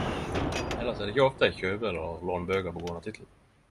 Elles er det ikkje ofte eg kjøper eller låner bøker på grunn av tittelen.